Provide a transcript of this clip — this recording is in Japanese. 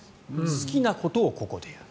好きなことをここでやる。